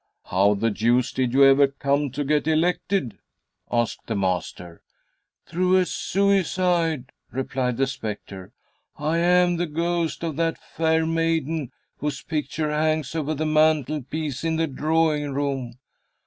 "How the deuce did you ever come to get elected?" asked the master. "Through a suicide," replied the spectre. "I am the ghost of that fair maiden whose picture hangs over the mantel piece in the drawing room.